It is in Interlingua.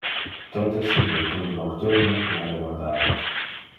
Totes, in le club nocturne, la reguardava.